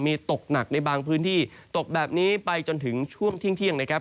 มีตกหนักในบางพื้นที่ตกแบบนี้ไปจนถึงช่วงเที่ยงนะครับ